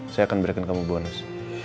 saya akan berikan kamu bonus